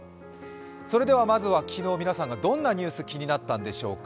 それではまずは昨日、皆さんがどんなニュース、気になったんでしょうか。